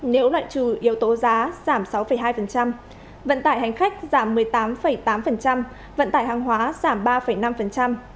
nếu loại trừ yếu tố giá giảm sáu hai vận tải hành khách giảm một mươi tám tám vận tải hàng hóa giảm ba năm